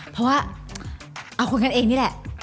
เพราะว่าเอาคนกันเองนี่แหละ